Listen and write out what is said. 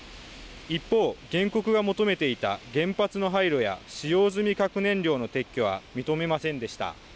一方、原告が求めていた原発の廃炉や使用済み核燃料の撤去は認めませんでした。